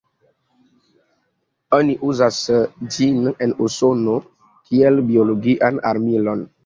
Oni uzas ĝin en Usono kiel biologian armilon.